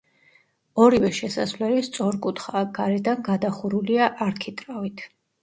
ორივე შესასვლელი სწორკუთხაა, გარედან გადახურულია არქიტრავით.